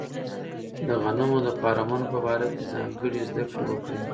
د غنمو د فارمونو په باره کې ځانګړې زده کړې وکړي.